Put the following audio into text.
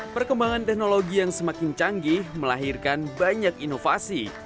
perkembangan teknologi yang semakin canggih melahirkan banyak inovasi